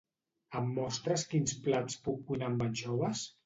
Em mostres quins plats puc cuinar amb anxoves?